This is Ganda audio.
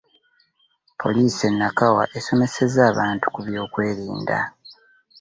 Poliisi e Nakawa esomeseza abantu ku by'okwerinda.